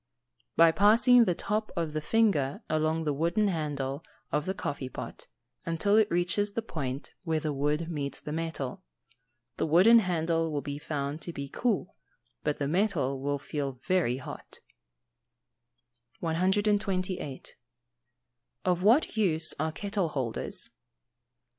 _ By passing the top of the finger along the wooden handle of the coffee pot, until it reaches the point where the wood meets the metal. The wooden handle will be found to be cool, but the metal will feel very hot. 128. _Of what use are kettle holders?